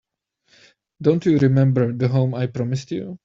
Don't you remember the home I promised you?